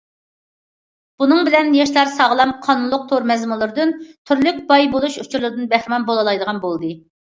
بۇنىڭ بىلەن ياشلار ساغلام، قانۇنلۇق تور مەزمۇنلىرىدىن، تۈرلۈك باي بولۇش ئۇچۇرلىرىدىن بەھرىمەن بولالايدىغان بولدى.